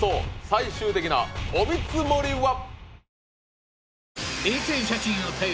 最終的なお見積もりは？